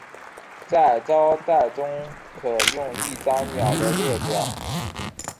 在招待中可用一张鸟的列表。